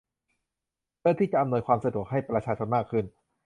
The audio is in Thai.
เพื่อที่จะอำนวยความสะดวกให้ประชาชนมากขึ้น